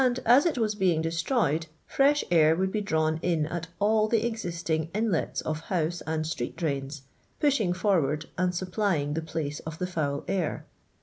IS it was being destroyed fiesh air would be drawn in at all the existing inlets of house and street drains, pushing forward and supplying the place of the foul air."